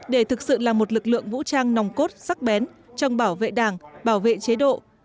để thực sự là một lực lượng vũ trang nòng cốt sắc bén trong bảo vệ đảng bảo vệ chế độ